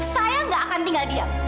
saya nggak akan tinggal diam